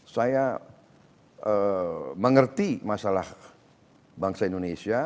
saya mengerti masalah bangsa indonesia